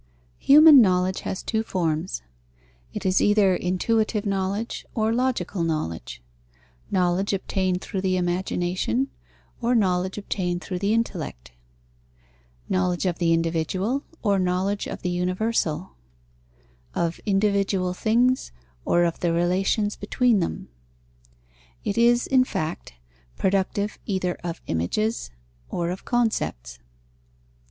_ Human knowledge has two forms: it is either intuitive knowledge or logical knowledge; knowledge obtained through the imagination or knowledge obtained through the intellect; knowledge of the individual or knowledge of the universal; of individual things or of the relations between them: it is, in fact, productive either of images or of concepts.